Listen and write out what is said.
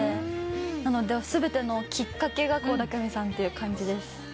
なので全てのきっかけが倖田來未さんって感じです。